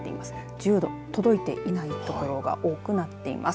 １０度届いていない所が多くなっています。